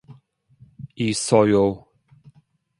있어요.